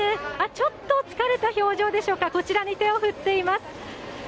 ちょっと疲れた表情でしょうか、こちらに手を振っています。